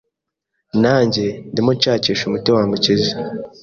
nanjye ndimo nshakisha umuti wamukiza.